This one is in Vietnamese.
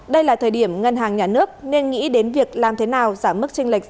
đây là thời điểm ngân hàng nhà nước nên nghĩ đến việc làm thế nào giảm mức tranh lệch